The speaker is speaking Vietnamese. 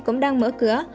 cũng đang mở cửa